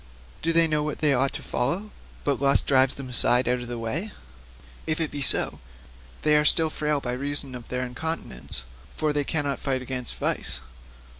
Do they know what they ought to follow, but lust drives them aside out of the way? If it be so, they are still frail by reason of their incontinence, for they cannot fight against vice.